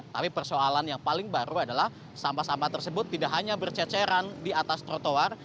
tapi persoalan yang paling baru adalah sampah sampah tersebut tidak hanya berceceran di atas trotoar